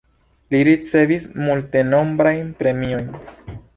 Li ricevis multenombrajn premiojn.